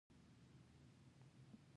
د څو لسیزو تت ناباوره پاتې وو